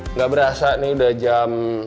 nggak berasa nih udah jam